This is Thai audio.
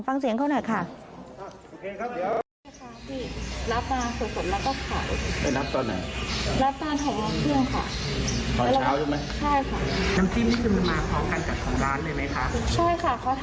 ฟังเสียงเขาหน่อยค่ะ